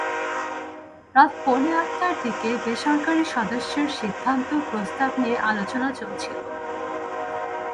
রাত পৌনে আটটার দিকে বেসরকারি সদস্যদের সিদ্ধান্ত প্রস্তাব নিয়ে আলোচনা চলছিল।